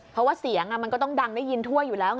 เพราะว่าเสียงมันก็ต้องดังได้ยินทั่วอยู่แล้วไง